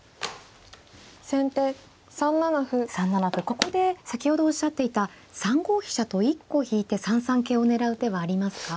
ここで先ほどおっしゃっていた３五飛車と１個引いて３三桂を狙う手はありますか？